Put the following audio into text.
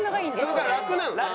それが楽なのか。